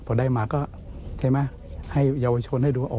พอได้มาก็ใช่ไหมให้เยาวชนให้ดูออก